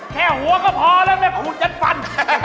แค่หัวก็พอแล้วแม่ขูดจัดฟัน